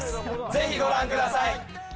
ぜひご覧ください。